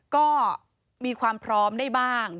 ก็มีความพร้อมได้บ้าง